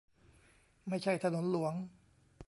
ไม่ใช่ถนนหลวง